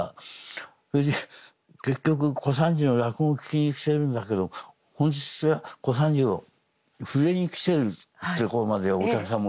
それで結局小三治の落語を聞きに来てるんだけど本質は小三治を触れに来てるってところまでお客さんも。